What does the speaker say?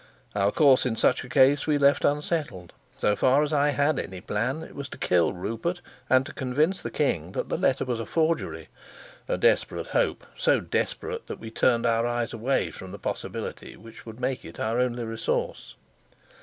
Our course in such a case we left unsettled; so far as I had any plan, it was to kill Rupert and to convince the king that the letter was a forgery a desperate hope, so desperate that we turned our eyes away from the possibility which would make it our only resource.